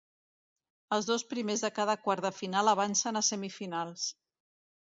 Els dos primers de cada quart de final avancen a semifinals.